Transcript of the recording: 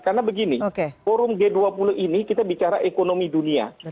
karena begini forum g dua puluh ini kita bicara ekonomi dunia